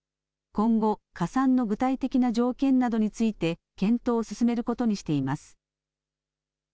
今後、加算の具体的な条件などについて検討を進めることにしています。